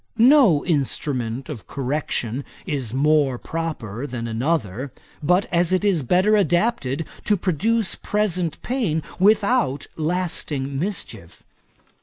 No instrument of correction is more proper than another, but as it is better adapted to produce present pain without lasting mischief.